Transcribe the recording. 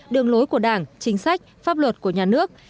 đường lối của đảng chính sách pháp luật của nhà nước